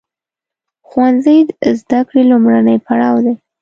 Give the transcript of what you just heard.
ښوونځی د زده کړې لومړنی پړاو دی.